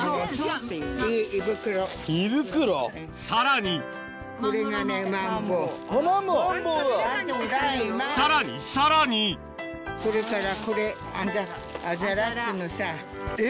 さらにさらにさらにそれから。